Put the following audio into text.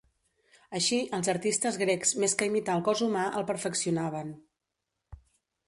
Així, els artistes grecs més que imitar el cos humà el perfeccionaven.